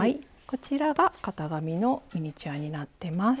こちらが型紙のミニチュアになってます。